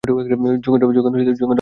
যোগেন্দ্র-অক্ষয় চলিয়া গেল।